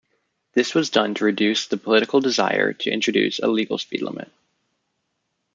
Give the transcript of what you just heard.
This was done to reduce the political desire to introduce a legal speed limit.